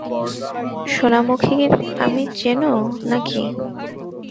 সোনামুখীর আমি চেনো, না কি?